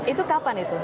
itu kapan itu